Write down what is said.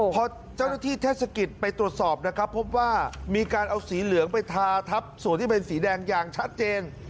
พอเจ้าหน้าที่เทศกิจไปตรวจสอบนะครับพบว่ามีการเอาสีเหลืองไปทาทับส่วนที่เป็นสีแดงอย่างชัดเจน